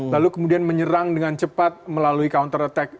lalu kemudian menyerang dengan cepat melalui counter attack